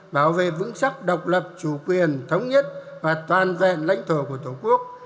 bảo vệ vững chắc độc lập chủ quyền thống nhất và toàn vẹn lãnh thổ của tổ quốc